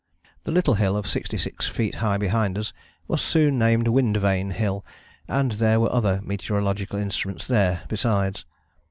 The little hill of 66 feet high behind us was soon named Wind Vane Hill, and there were other meteorological instruments there besides.